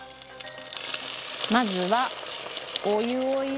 まずはお湯を入れて。